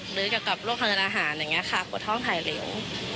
หรือกับโรคคละละหารกระโคท้องหายเล็ง